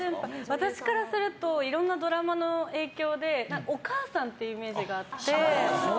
私からするといろんなドラマの影響でお母さんっていうイメージがあって。